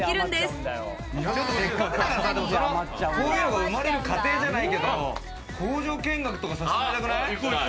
こういうのが生まれる過程じゃないけど工場見学とかさせてもらいたくない？